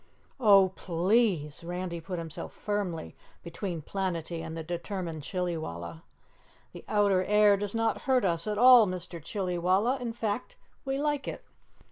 "Oh, PLEASE!" Randy put himself firmly between Planetty and the determined Chillywalla. "The outer air does not hurt us at all, Mister Chillywalla; in fact, we like it!"